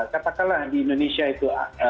katakanlah di indonesia itu